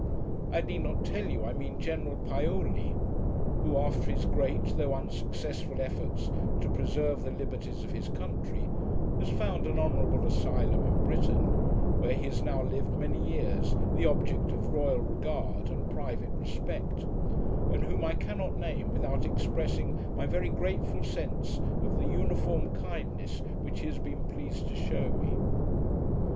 I need not tell you I mean General Paoli; who, after his great, though unsuccessful, efforts to preserve the liberties of his country, has found an honourable asylum in Britain, where he has now lived many years the object of Royal regard and private respect; and whom I cannot name without expressing my very grateful sense of the uniform kindness which he has been pleased to shew me.